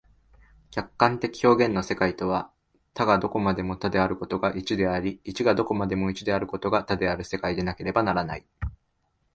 客観的表現の世界とは、多がどこまでも多であることが一であり、一がどこまでも一であることが多である世界でなければならない。